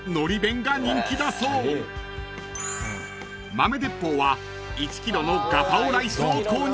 ［豆鉄砲は１ｋｇのガパオライスを購入］